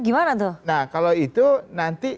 gimana tuh nah kalau itu nanti